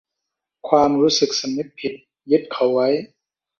ความรู้สึกสำนึกผิดยึดเขาไว้